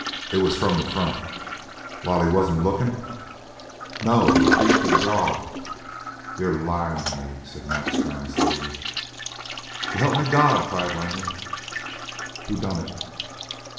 "It was from the front." "While he wasn't looking?" "No. He was beat to the draw." "You're lyin' to me," said Mac Strann slowly. "So help me God!" cried Langley. "Who done it?"